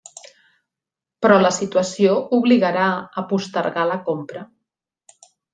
Però la situació obligarà a postergar la compra.